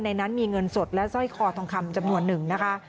นั้นมีเงินสดและสร้อยคอทองคำจำนวนหนึ่งนะคะ